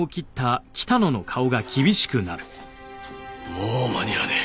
もう間に合わねえ。